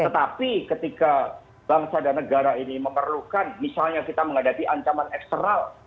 tetapi ketika bangsa dan negara ini memerlukan misalnya kita menghadapi ancaman eksternal